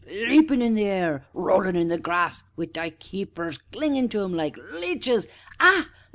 Leapin' in the air, rollin' in the grass, wi' they keepers clingin' to 'im like leeches ah!